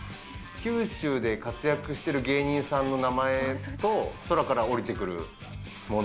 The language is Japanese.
九州で活躍している芸人さんの名前と、空から降りてくるもの。